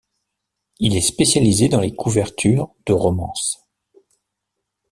Il est spécialisé dans les couvertures de romances.